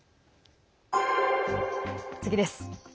次です。